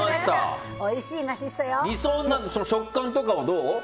食感とかはどう？